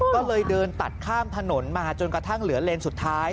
ก็เลยเดินตัดข้ามถนนมาจนกระทั่งเหลือเลนสุดท้าย